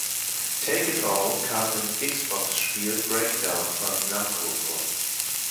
„Take it All“ kam im Xbox-Spiel „Breakdown“ von Namco vor.